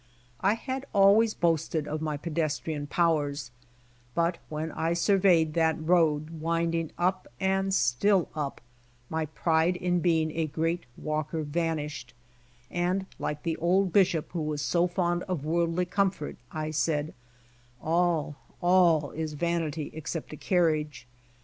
I had always boasted of my pedestrian powers, but when I surveyed that road winding up and still up, my pride in being a great walker vanished, and like the old bishop who was so fond of worldly comfort, I said, "All, all is vanity except a carriage."